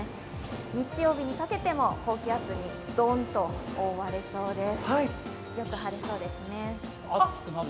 日曜日にかけても高気圧にドーンと覆われそうです。